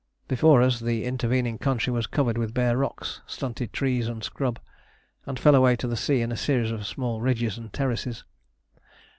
Before us, the intervening country was covered with bare rocks, stunted trees, and scrub, and fell away to the sea in a series of small ridges and terraces.